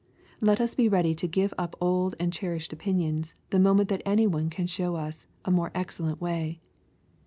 Let us be ready to give up old and cherished opinions the moment that any one can show us a "more excellent way."